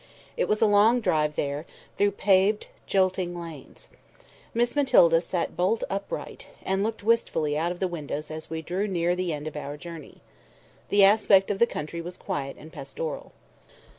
It was a long drive there, through paved jolting lanes. Miss Matilda sat bolt upright, and looked wistfully out of the windows as we drew near the end of our journey. The aspect of the country was quiet and pastoral.